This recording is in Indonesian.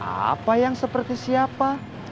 apa yang seperti siapa